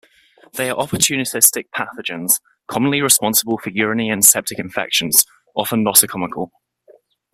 They are opportunistic pathogens, commonly responsible for urinary and septic infections, often nosocomial.